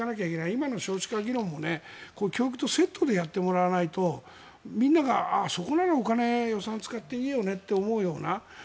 今の少子化議論も教育とセットでやってもらわないとみんながそこなら予算お金を使っていいよねっていう。